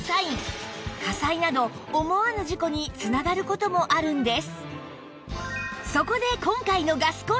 火災など思わぬ事故に繋がる事もあるんです